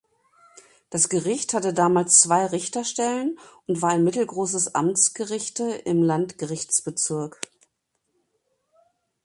Das Gericht hatte damals zwei Richterstellen und war ein mittelgroßes Amtsgerichte im Landgerichtsbezirk.